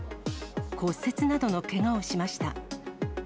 骨折などのけがをしました。